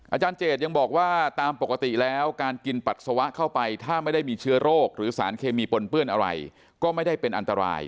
อาจารย์เจดยังบอกว่าตามปกติแล้วการกินปัสสาวะเข้าไปถ้าไม่ได้มีเชื้อโรคหรือสารเคมีปนเปื้อนอะไรก็ไม่ได้เป็นอันตราย